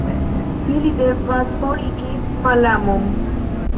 Ili devas forigi malamon.